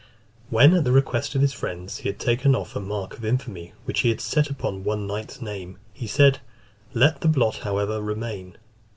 When, at the request of his friends, he had taken off a mark of infamy which he had set upon one knight's name, he said, "Let the blot, however, remain."